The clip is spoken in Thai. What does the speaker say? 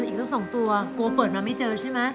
อีกทั้ง๒ตัวกลัวเปิดมาไม่เจอใช่ไหม